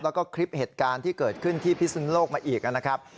แล้วก็คลิปเหตุการณ์ที่เกิดขึ้นที่พิสุนโลกมาอีกนะครับ